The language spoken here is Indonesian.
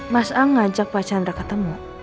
mas a ngajak pak chandra ketemu